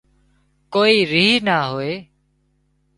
ڪوئي ريه نا هوئي